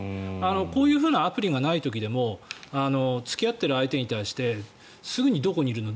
こういうアプリがない時でも付き合っている相手に対してすぐにどこにいるの？